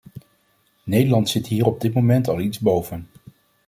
Nederland zit hier op dit moment al iets boven.